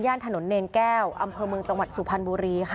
ถนนเนรแก้วอำเภอเมืองจังหวัดสุพรรณบุรีค่ะ